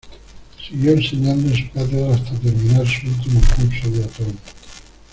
Siguió enseñando en su cátedra hasta terminar su último curso de otoño.